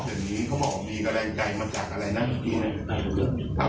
เพราะว่ามีกำลังใจมาจากอะไรนั่นแหละครับ